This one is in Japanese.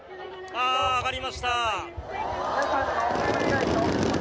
上がりました。